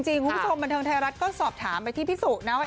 คุณผู้ชมบันเทิงไทยรัฐก็สอบถามไปที่พี่สุนะว่า